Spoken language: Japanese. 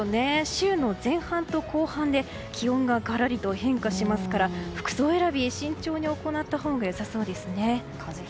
週の前半と後半で気温ががらりと変化しますから服装選び、慎重に行ったほうが良さそうです。